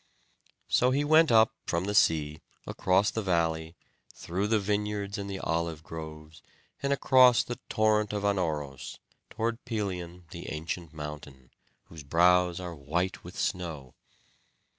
So he went up from the sea across the valley, through the vineyards and the olive groves, and across the torrent of Anauros, toward Pelion the ancient mountain, whose brows are white with snow.